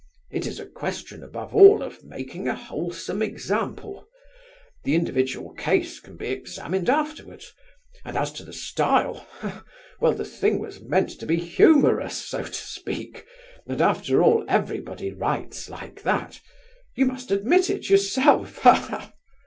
It is a question, above all, of making a wholesome example; the individual case can be examined afterwards; and as to the style—well, the thing was meant to be humorous, so to speak, and, after all, everybody writes like that; you must admit it yourself! Ha, ha!"